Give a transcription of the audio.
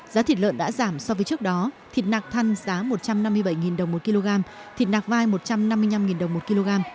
giá thịt lợn đã giảm so với trước đó thịt nạc thăn giá một trăm năm mươi bảy đồng một kg thịt nạc vai một trăm năm mươi năm đồng một kg